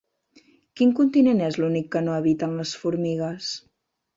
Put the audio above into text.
Quin continent és l'únic que no habiten les formigues?